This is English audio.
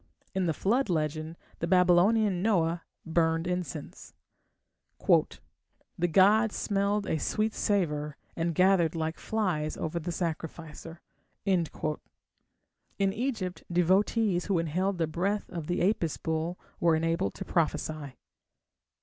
In the Flood legend the Babylonian Noah burned incense. "The gods smelled a sweet savour and gathered like flies over the sacrificer." In Egypt devotees who inhaled the breath of the Apis bull were enabled to prophesy.